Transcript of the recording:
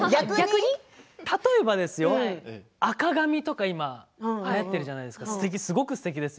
例えば今赤髪とかはやってるじゃないですか。